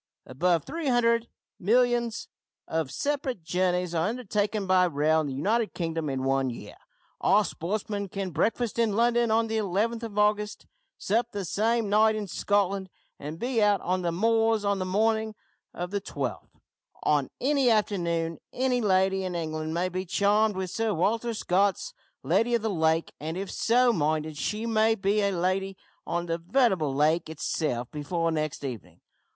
Above three hundred millions of separate journeys are undertaken by rail in the United Kingdom in one year. Our sportsmen can breakfast in London on the 11th of August, sup the same night in Scotland, and be out on the moors on the morning of the 12th. On any afternoon any lady in England may be charmed with Sir Walter Scott's `Lady of the Lake,' and, if so minded, she may be a lady on the veritable lake itself before next evening!